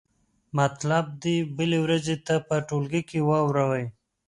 مطلب دې بلې ورځې ته په ټولګي کې واورئ.